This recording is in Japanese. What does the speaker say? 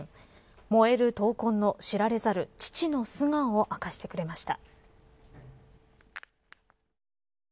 燃える闘魂の、知られざる父の素顔を明かしてくれました。